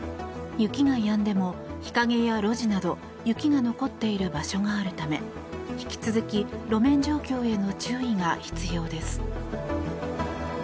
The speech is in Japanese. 雪がやんでも日陰や路地など雪が残っている場所があるため引き続き路面状況への注意が必要です。